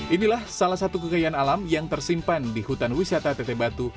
inilah salah satu kekayaan alam yang tersimpan di hutan wisata teteh batu